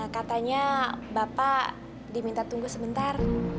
katanya bapak diminta tunggu sebentar